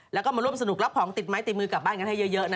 แล้วก็มาร่วมสนุกรับของติดไม้ติดมือกลับบ้านกันให้เยอะนะ